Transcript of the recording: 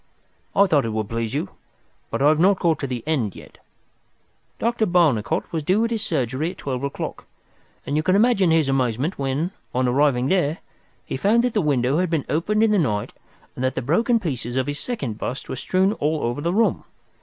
"I thought it would please you. But I have not got to the end yet. Dr. Barnicot was due at his surgery at twelve o'clock, and you can imagine his amazement when, on arriving there, he found that the window had been opened in the night and that the broken pieces of his second bust were strewn all over the room.